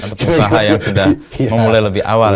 atau perusahaan yang sudah memulai lebih awal ya